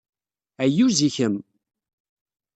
Ayyuz i kemm!